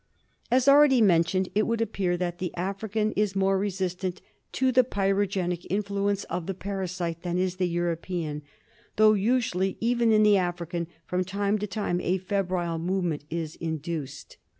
183 As already mentioned, it would appear that the African is more resistent to the pyrogenic influence of the para site than is the European, though usually, even in the African, from time to time a febrile movement is in duced.